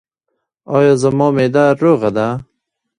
ایا زما معده روغه ده؟